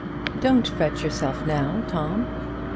"Don't fret yourself now, Tom."